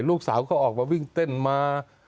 ลูกสาวก็ออกมาวิ่งเต้นมา